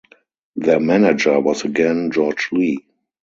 Their manager was again George Lee.